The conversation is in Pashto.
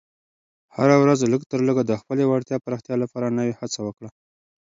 هره ورځ لږ تر لږه د خپلې وړتیا پراختیا لپاره نوې هڅه وکړه.